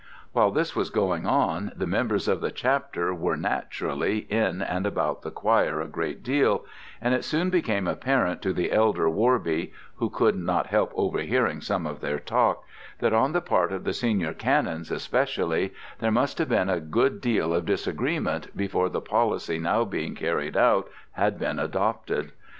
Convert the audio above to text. While this was going on, the members of the Chapter were, naturally, in and about the choir a great deal, and it soon became apparent to the elder Worby who could not help overhearing some of their talk that, on the part of the senior Canons especially, there must have been a good deal of disagreement before the policy now being carried out had been adopted.